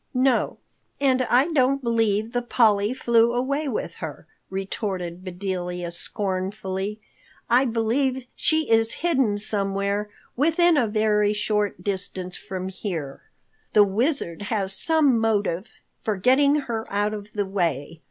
"No, and I don't believe the Polly flew away with her," retorted Bedelia scornfully. "I believe she is hidden somewhere within a very short distance from here. The Wizard has some motive for getting her out of the way.